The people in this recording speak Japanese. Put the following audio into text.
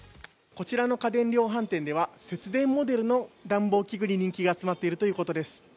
こちらの家電量販店では節電モデルの暖房器具に人気が集まっているということです。